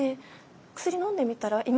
薬のんでみたら？